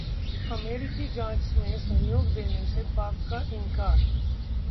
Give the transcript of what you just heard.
अमेरिकी जांच में सहयोग देने से पाक का इंकार